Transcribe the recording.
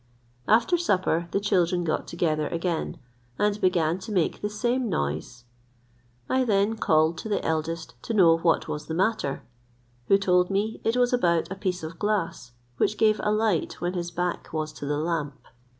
After supper the children got together again, and began to make the same noise. I then called to the eldest to know what was the matter, who told me it was about a piece of glass, which gave a light when his back was to the lamp.